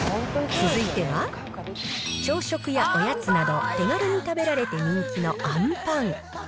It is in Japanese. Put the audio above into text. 続いては、朝食やおやつなど、手軽に食べられて人気のあんぱん。